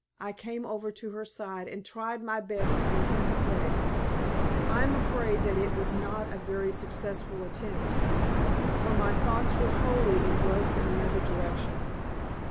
I came over to her side and tried my best to be sympathetic. I am afraid that it was not a very successful attempt, for my thoughts were wholly engrossed in another direction.